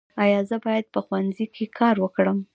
ایا زه باید په ښوونځي کې کار وکړم؟